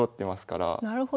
なるほど。